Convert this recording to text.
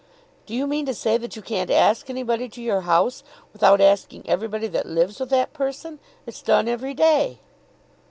"Do you mean to say that you can't ask anybody to your house without asking everybody that lives with that person? It's done every day."